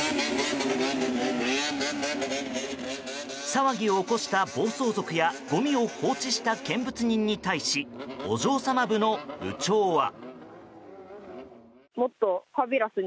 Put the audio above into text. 騒ぎを起こした暴走族やごみを放置した見物人に対しお嬢様部の部長は。